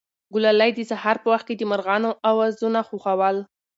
ګلالۍ د سهار په وخت کې د مرغانو اوازونه خوښول.